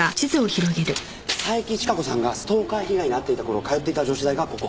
佐伯千加子さんがストーカー被害に遭っていた頃通っていた女子大がここ。